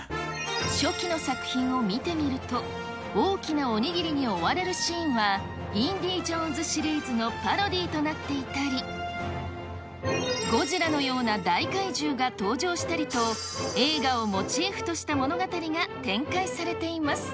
初期の作品を見てみると、大きなおにぎりに追われるシーンは、インディ・ジョーンズシリーズのパロディーとなっていたり、ゴジラのような大怪獣が登場したりと、映画をモチーフとした物語が展開されています。